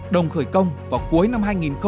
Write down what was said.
đồng khởi công vào cuối năm hai nghìn một mươi bốn